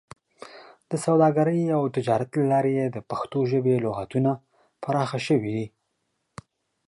د سوداګرۍ او تجارت له لارې د پښتو ژبې لغتونه پراخه شوي دي.